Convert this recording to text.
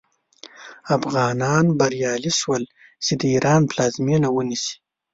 افغانان بریالي شول چې د ایران پلازمینه ونیسي.